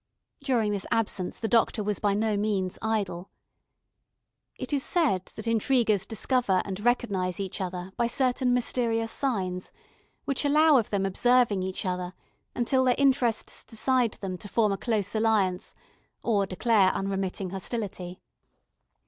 During this absence the doctor was by no means idle. It is said that intriguers discover and recognise each other by certain mysterious signs, which allow of them observing each other until their interests decide them to form a close alliance, or declare unremitting hostility.